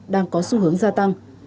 đang có xu hướng gia tăng